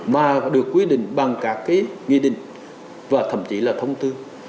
mà được quy định bằng các cái nghị định và thậm chí là thông tư